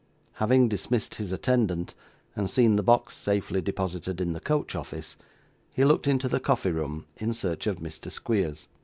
Having dismissed his attendant, and seen the box safely deposited in the coach office, he looked into the coffee room in search of Mr. Squeers.